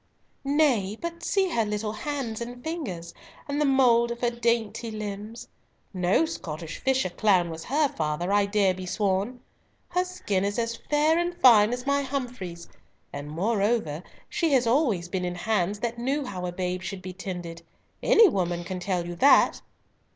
"Nay, but see her little hands and fingers, and the mould of her dainty limbs. No Scottish fisher clown was her father, I dare be sworn. Her skin is as fair and fine as my Humfrey's, and moreover she has always been in hands that knew how a babe should be tended. Any woman can tell you that!"